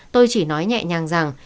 tôi chỉ nói nhẹ nhàng rằng